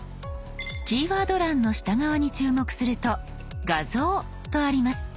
キーワード欄の下側に注目すると「画像」とあります。